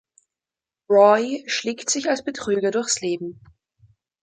Roy schlägt sich als Betrüger durchs Leben.